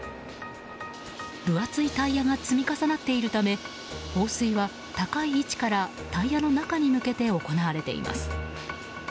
分厚いタイヤが積み重なっているため放水は高い位置からタイヤの中に向けて行われています。